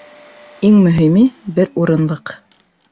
Иң мөһиме, бер урынлыҡ.